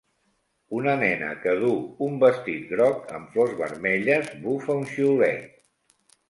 Una nena que duu un vestit groc amb flors vermelles bufa un xiulet.